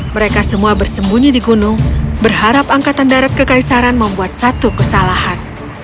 mereka semua bersembunyi di gunung berharap angkatan darat kekaisaran membuat satu kesalahan